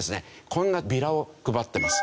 こんなビラを配っています。